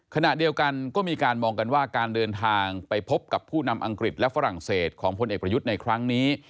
ขณะเดียวกันก็มีการมองกันว่าการเดินทางไปพบกับผู้นำอังกฤษและฝรั่งเศสของพลเอกประยุทธ์ในครั้งนี้